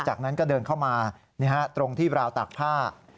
จากนั้นก็เดินเข้ามาตรงที่ราวตากผ้า